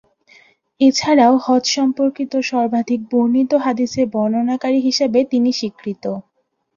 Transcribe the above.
এছাড়াও হজ সম্পর্কিত সর্বাধিক বর্ণিত হাদিসের বর্ণনাকারী হিসাবে তিনি স্বীকৃত।